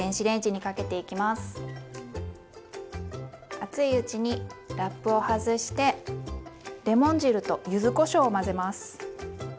熱いうちにラップを外してレモン汁とゆずこしょうを混ぜます。